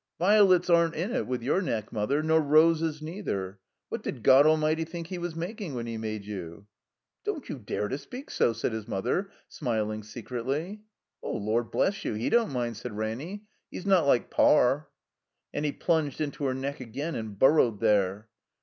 "Violets aren't in it with your neck, Mother — nor roses neither. What did God Almighty think he was making when he made you?" "Don't you dare to speak so," said his mother, smiling secretly. " Lord bless you! He don't mind," said Ranny. "He's not like Par." And he plxmged into her neck again and burrowed there.